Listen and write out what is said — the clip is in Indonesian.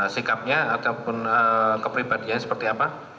sikapnya ataupun kepribadiannya seperti apa